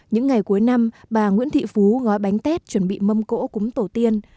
những ngày cuối năm bà nguyễn thị phú gói bánh tết chuẩn bị mâm cỗ cúng tổ tiên